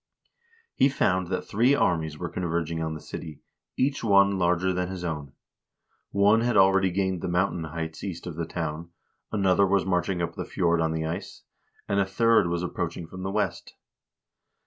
He found that three armies were converging on the city, each one larger than his own. One had already gained the moun tain heights east of the town, another was marching up the fjord on the ice, and a third was approaching from the west.